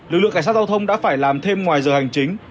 lực lượng cảnh sát giao thông đã phải làm thêm ngoài giờ hành chính